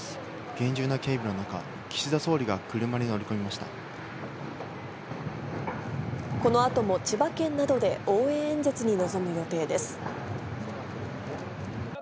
厳重な警備の中、このあとも千葉県などで応援演説に臨む予定です。